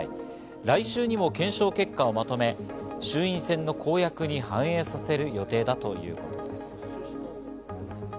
来週にも検証結果をまとめ衆院選の公約に反映させる予定だといいます。